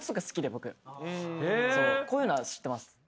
こういうのは知ってます。